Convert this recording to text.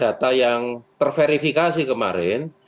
data yang terverifikasi kemarin